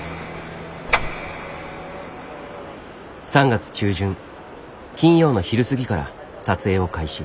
３月中旬金曜の昼過ぎから撮影を開始。